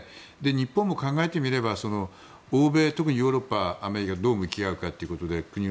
日本も考えてみれば欧米、特にヨーロッパやアメリカと、どう向き合うかと。